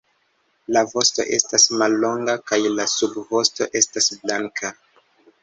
La vosto estas mallonga kaj la subvosto estas blanka.